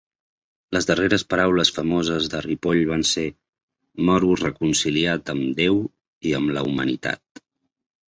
Les darreres paraules famoses de Ripoll van ser: "moro reconciliat amb deu i amb la humanitat".